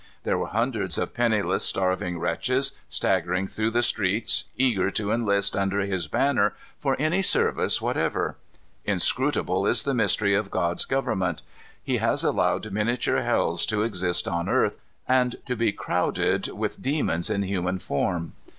There were hundreds of penniless, starving wretches staggering through the streets, eager to enlist under his banner for any service whatever. Inscrutable is the mystery of God's government. He has allowed miniature hells to exist on earth, and to be crowded with demons in human form.